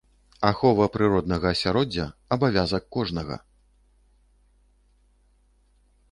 Ахова прыроднага асяроддзя — абавязак кожнага.